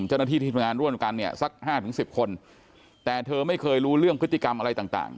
เจ้าหน้าที่ที่ทำงานร่วมกันเนี่ยสักห้าถึงสิบคนแต่เธอไม่เคยรู้เรื่องพฤติกรรมอะไรต่าง